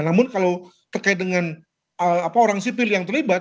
namun kalau terkait dengan orang sipil yang terlibat